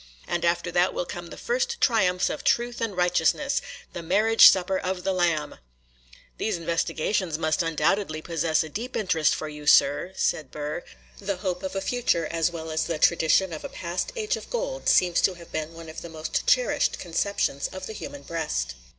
And after that will come the first triumphs of truth and righteousness,—the marriage supper of the Lamb.' 'These investigations must undoubtedly possess a deep interest for you, sir,' said Burr; 'the hope of a future as well as the tradition of a past age of gold seems to have been one of the most cherished conceptions of the human breast.